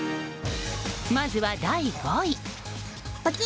まずは第５位。